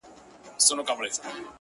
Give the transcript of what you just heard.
ستا د پښې پايزيب مي تخنوي گلي’